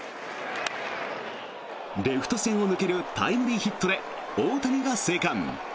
レフト線を抜けるタイムリーヒットで大谷が生還。